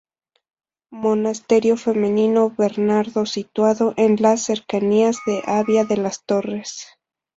Monasterio femenino bernardo situado en las cercanías de Abia de las Torres.